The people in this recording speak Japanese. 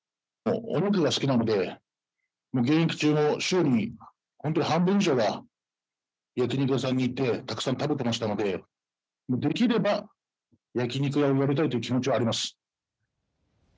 お肉が好きなので現役中週に半分以上は焼き肉屋さんに行ってたくさん食べていましたのでできれば焼き肉屋をやりたいという気持ちはあります。